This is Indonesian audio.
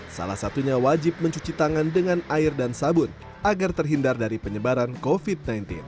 salah satunya wajib mencuci tangan dengan air dan sabun agar terhindar dari penyebaran covid sembilan belas